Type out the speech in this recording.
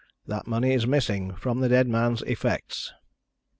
That money is missing from the dead man's effects."